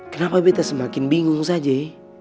kenapa kita semakin bingung saja